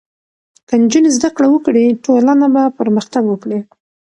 که نجونې زدهکړه وکړي، ټولنه به پرمختګ وکړي.